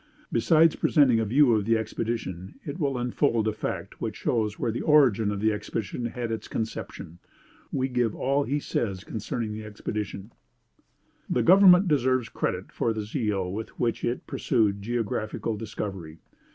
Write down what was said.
Besides presenting a view of the expedition, it will unfold a fact which shows where the origin of the expedition had its conception. We give all he says concerning the expedition. [Footnote 17: Thirty Years View, vol. ii. chap. 134.] "'The government deserves credit for the zeal with which it has pursued geographical discovery.'